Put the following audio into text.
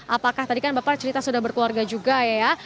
apakah tadi kan bapak cerita sudah berkeluarga juga ya